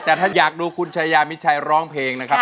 แต่ท่านอยากดูคุณชายามิดชัยร้องเพลงนะครับ